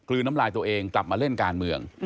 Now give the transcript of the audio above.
ลืนน้ำลายตัวเองกลับมาเล่นการเมือง